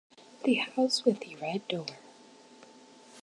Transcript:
The house with the red door.